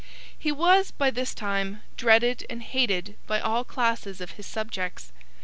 He was, by this time, dreaded and hated by all classes of his subjects.